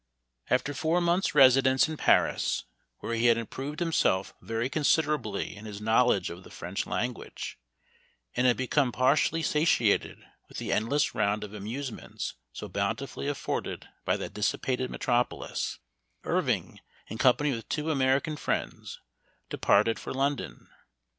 A FTER four months' residence in Paris, *^* where he had improved himself very con siderably in his knowledge of the French lan guage, and had become partially satiated with the endless round of amusements so bountifully afforded by that dissipated metropolis, Irving, in company with two American friends, de parted, for London.